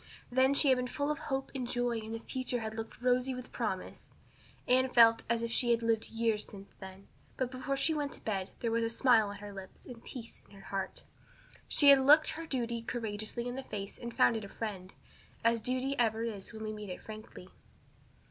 Then she had been full of hope and joy and the future had looked rosy with promise. Anne felt as if she had lived years since then, but before she went to bed there was a smile on her lips and peace in her heart. She had looked her duty courageously in the face and found it a friend as duty ever is when we meet it frankly.